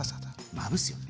まぶすようにね。